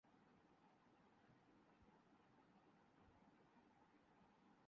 تو اثر چھوڑ جاتے ہیں۔